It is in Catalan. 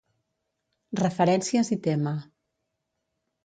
Referències i tema.